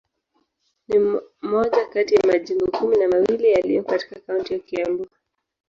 Ni moja kati ya majimbo kumi na mawili yaliyo katika kaunti ya Kiambu.